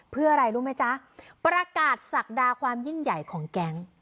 เพื่ออะไรรู้ไหมจ๊ะประกาศศักดาความยิ่งใหญ่ของแก๊ง